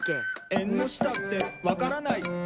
「えんのしたってわからないえん」